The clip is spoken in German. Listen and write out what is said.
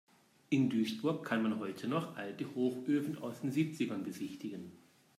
In Duisburg kann man heute noch alte Hochöfen aus den Siebzigern besichtigen.